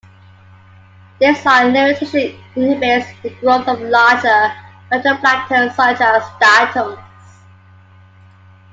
This iron limitation inhibits the growth of larger phytoplankton, such as diatoms.